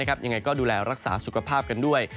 ยังไงก็ดูแลรักษาสุขภาพกันด้วย